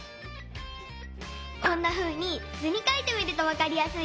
こんなふうにずにかいてみるとわかりやすいよ。